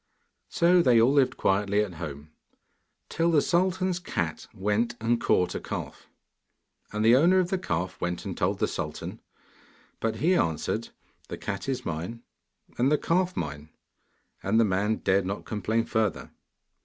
So they all lived quietly at home, till the sultan's cat went and caught a calf. And the owner of the calf went and told the sultan, but he answered, 'The cat is mine, and the calf mine,' and the man dared not complain further.